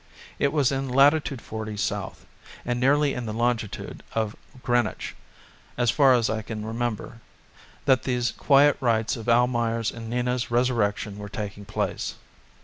It was in latitude 40 south, and nearly in the longitude of Greenwich, as far as I can remember, that these quiet rites of Almayer's and Nina's resurrection were taking place.